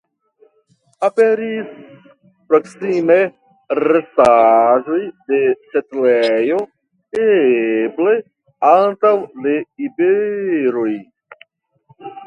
Aperis proksime restaĵoj de setlejo eble antaŭ de iberoj.